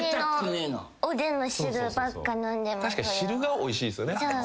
確かに汁がおいしいっすよね。